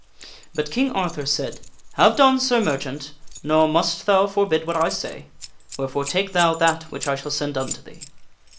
But King Arthur said :" Have done, Sir Merchant, nor must thou for bid what I say. Wherefore take thou that which I shall send unto thee."